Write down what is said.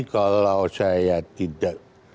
kalau saya tidak